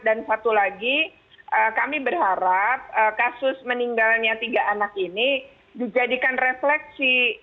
dan satu lagi kami berharap kasus meninggalnya tiga anak ini dijadikan refleksi